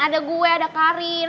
ada gue ada karin